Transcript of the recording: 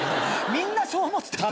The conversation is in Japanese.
みんなそう思ってた。